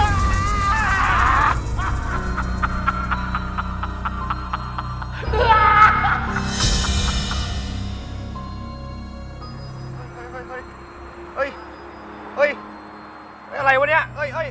เฮ้ยเฮ้ยเฮ้ยอะไรวะเนี่ย